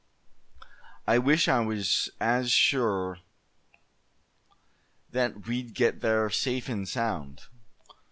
I wish I was as sure that we'd get there, safe and sound."